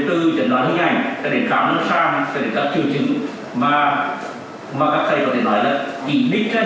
từ trần đoán hướng ảnh đến khám hướng xa đến các trường trữ